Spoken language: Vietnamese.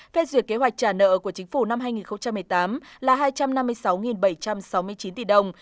phê duyệt kế hoạch trả nợ của chính phủ năm hai nghìn một mươi tám là hai trăm năm mươi sáu bảy trăm sáu mươi chín tỷ đồng